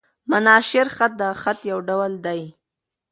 مناشیر خط؛ د خط یو ډول دﺉ.